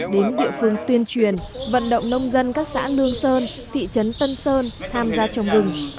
đến địa phương tuyên truyền vận động nông dân các xã lương sơn thị trấn tân sơn tham gia trồng bừng